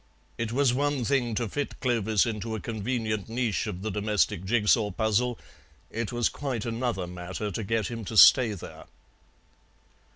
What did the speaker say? It was one thing to fit Clovis into a convenient niche of the domestic jig saw puzzle; it was quite another matter to get him to stay there.